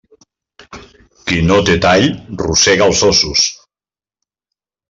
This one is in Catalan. Qui no té tall rosega els ossos.